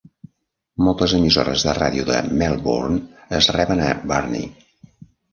Moltes emissores de ràdio de Melbourne es reben a Burnie.